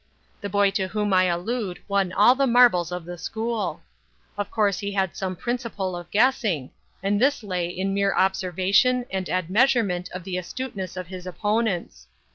The boy to whom I allude won all the marbles of the school. Of course he had some principle of guessing; and this lay in mere observation and admeasurement of the astuteness of his opponents.